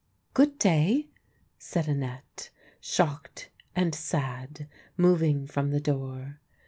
" Good day," said Annette, shocked and sad, moving from the door.